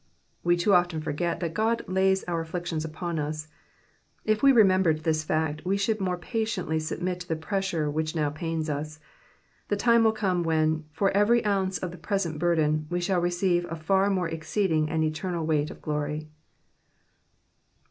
We foo often forget that God lajs oar afflictions upon ns ; if we re membered this fact, we should more patiently submit to the pressure which ■ow pains i». The time will come when, for erery oonce of present burden, we shall receive a far more exceeding and eternal weight of glory.